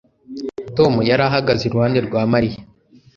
Tom yari ahagaze iruhande rwa Mariya